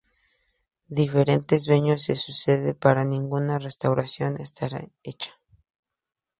Diferentes dueños se suceden pero ninguna restauración estará hecha.